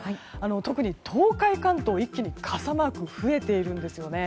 特に東海、関東で一気に傘マークが増えているんですよね。